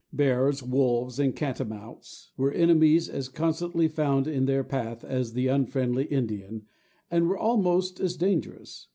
Bears, wolves, and catamounts, were enemies as constantly found in their path as the unfriendly Indian, and were almost as dangerous.